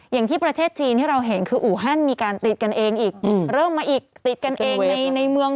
อย่างที่ประเทศจีนที่เราเห็นคืออู่ฮั่นมีการติดกันเองอีกเริ่มมาอีกติดกันเองในเมือง